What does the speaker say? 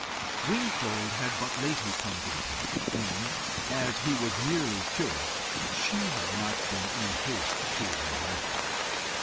Wingfold had but lately come to the parish, and, as he was merely curate, she had not been in haste to invite him.